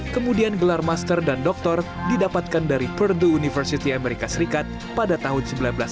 kemudian gelar master dan doktor didapatkan dari purdu university amerika serikat pada tahun seribu sembilan ratus sembilan puluh